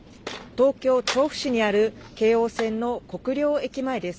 東京調布市にある京王線の国領駅前です。